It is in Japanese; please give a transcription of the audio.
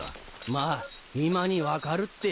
まぁ今に分かるって。